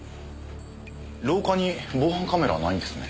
廊下に防犯カメラはないんですね。